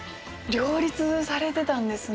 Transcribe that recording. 両立されてたんですね。